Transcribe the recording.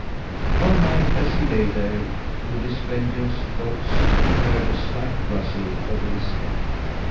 One night, as he lay there with his vengeance thoughts, he heard a slight rustle over his head.